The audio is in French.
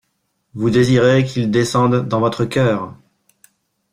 Vous désirez qu'il descende dans votre cœur.